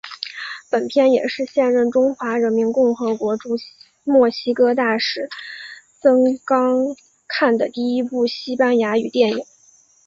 本片也是现任中华人民共和国驻墨西哥大使曾钢看的第一部西班牙语电影。